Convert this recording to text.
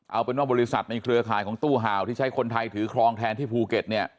เอาเป็นว่าบริษัทในเครือข่ายของตู้ห่าวที่ใช้คนไทยถือครองแทนที่ภูเก็ตเนี่ย